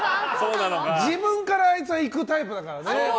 自分からあいつは行くタイプだからね。